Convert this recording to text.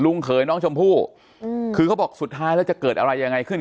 เขยน้องชมพู่คือเขาบอกสุดท้ายแล้วจะเกิดอะไรยังไงขึ้น